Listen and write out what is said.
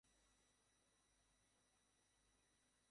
এরপর মারধর করে তাঁদের কাছ থেকে দরপত্র দুটি ছিনিয়ে নিয়ে যান।